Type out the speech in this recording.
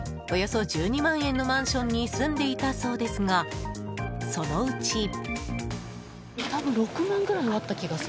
およそ１２万円のマンションに住んでいたそうですがそのうち。